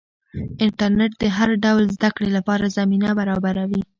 انټرنیټ د هر ډول زده کړې لپاره زمینه برابروي.